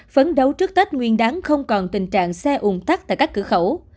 phấn đấu trước tết nguyên đáng không còn tình trạng xe ủn tắc tại các cửa khẩu